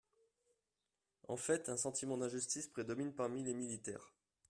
En fait, un sentiment d’injustice prédomine parmi les militaires.